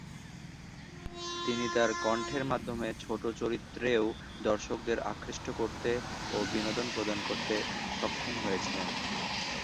তিনি তাঁর কণ্ঠের মাধ্যমে ছোট চরিত্রেও দর্শকদের আকৃষ্ট করতে ও বিনোদন প্রদান করতে সক্ষম হয়েছিলেন।